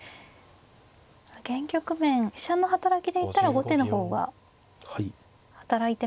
現局面飛車の働きで言ったら後手の方が働いてますからね。